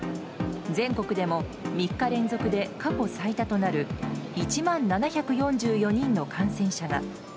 全国でも３日連続で過去最多となる１万７４４人の感染者が。